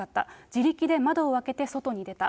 自力で窓を開けて、外に出た。